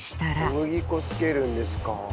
小麦粉つけるんですか。